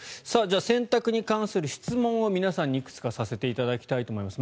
洗濯に関する質問を皆さんにいくつかさせていただきたいと思います。